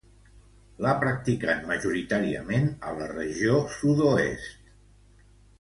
L'ha practicat majoritàriament a la regió sud-oest.